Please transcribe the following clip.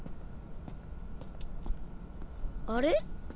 あれ？